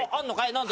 何だ。